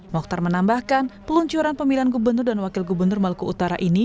mokhtar menambahkan peluncuran pemilihan gubernur dan wakil gubernur maluku utara ini